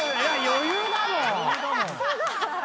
余裕だもん。